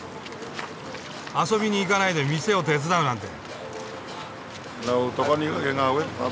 遊びに行かないで店を手伝うなんて。